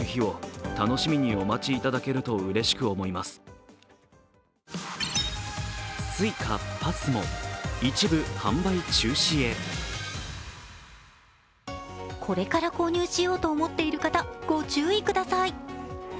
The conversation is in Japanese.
今後についてはこれから購入しようと思っている方、ご注意ください。